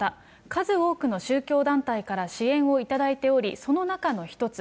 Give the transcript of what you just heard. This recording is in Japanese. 数多くの宗教団体から支援を頂いており、その中の一つ。